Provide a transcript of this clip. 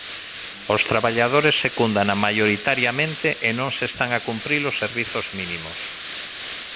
Os traballadores secúndana maioritariamente e non se están a cumprir os servizos mínimos.